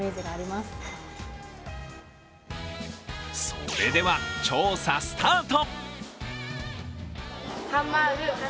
それでは調査スタート。